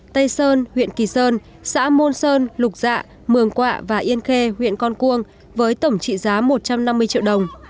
tây sơn huyện kỳ sơn xã môn sơn lục dạ mường quạ và yên khê huyện con cuông với tổng trị giá một trăm năm mươi triệu đồng